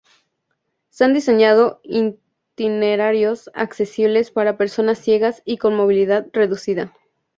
Se han diseñado itinerarios accesibles para personas ciegas y con movilidad reducida.